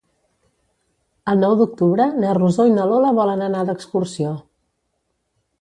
El nou d'octubre na Rosó i na Lola volen anar d'excursió.